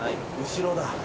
後ろだ。